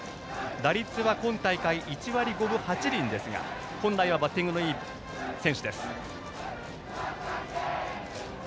打率は今大会１割５分８厘ですが本来はバッティングのいい選手。